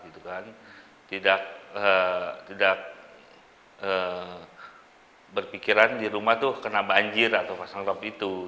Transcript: tidak berpikiran di rumah tuh kena banjir atau pasang top itu